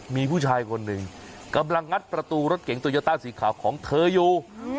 มีผู้ชายคนหนึ่งกำลังงัดประตูรถเก๋งโตโยต้าสีขาวของเธออยู่